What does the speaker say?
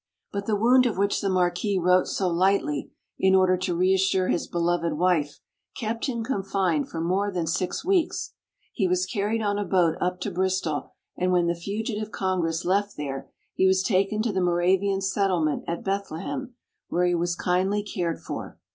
But the wound of which the marquis wrote so lightly, in order to re assure his beloved wife, kept him confined for more than six weeks. He was carried on a boat up to Bristol, and when the fugitive Congress left there, he was taken to the Moravian settlement at Bethlehem, where he was kindly cared for.